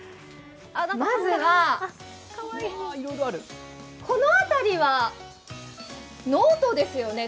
まずは、この辺りはノートですよね